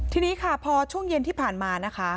ทีนี้ค่ะพอช่วงเย็นที่ผ่านมานะคะ